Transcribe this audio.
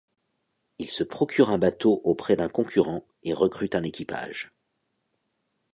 Il se procure un bateau auprès d’un concurrent et recrute un équipage.